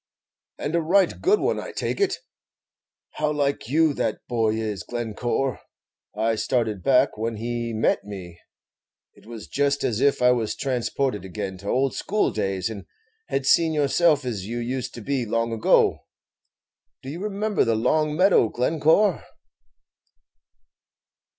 "And a right good one, I take it. How like you that boy is, Glencore! I started back when he met me. It was just as if I was transported again to old school days, and had seen yourself as you used to be long ago. Do you remember the long meadow, Glencore?"